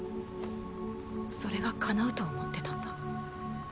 それが叶うと思ってたんだ。